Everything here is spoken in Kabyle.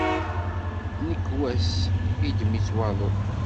Nnekwa-s iddem-itt waḍu.